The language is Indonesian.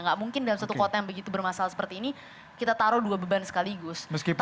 gak mungkin dalam satu kota yang begitu bermasalah seperti ini kita taruh dua beban sekaligus